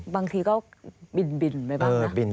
บางทีก็บินไปบ้างนะ